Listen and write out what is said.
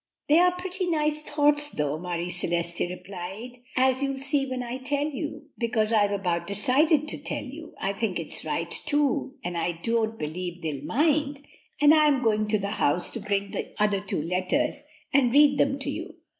"They are pretty nice thoughts, though," Marie Celeste replied, "as you'll see when I tell you, because I've about decided to tell you. I think it's right, too, and I don't believe they'll mind, and I am going up to the house to bring the other two letters and read them to you.